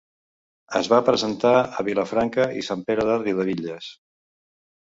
Es va presentar a Vilafranca i Sant Pere de Riudebitlles.